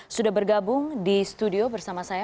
sudah bergabung di studio bersama saya